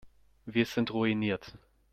Wir sind ruiniert.